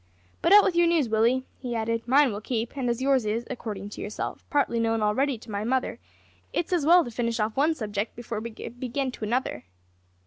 "But out with your news, Willie," he added, "mine will keep; and as yours is, according to yourself, partly known already to my mother, it's as well to finish off one subject before we begin to another."